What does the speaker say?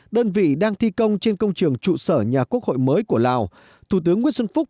đơn vị đang thi công trên công trường trụ sở nhà quốc hội mới của lào thủ tướng nguyễn xuân phúc